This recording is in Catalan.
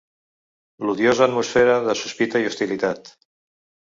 L'odiosa atmosfera de sospita i hostilitat